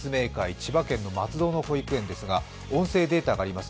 千葉県の松戸の保育園ですが音声データがあります。